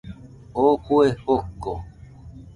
Oo fue joko